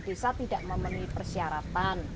desa tidak memenuhi persyaratan